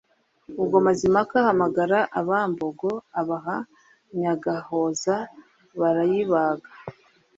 ubwo mazimpaka ahamagara abambogo abaha nyagahoza barayibaga,